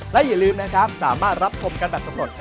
และอย่าลืมนะครับสามารถรับชมกันแบบสำรวจ